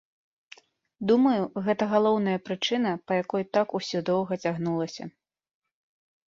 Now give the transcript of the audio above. Думаю, гэта галоўная прычына, па якой так усё доўга цягнулася.